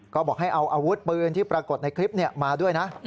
ก็บอกให้เอาอาวุธปืนที่ปรากฏในคลิปมาด้วยนะ